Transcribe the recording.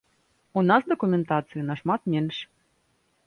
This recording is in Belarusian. У нас дакументацыі нашмат менш.